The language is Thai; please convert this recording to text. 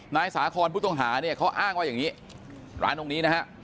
นายสาคอนผู้ต้องหาเนี่ยเขาอ้างว่าอย่างนี้ร้านตรงนี้นะฮะ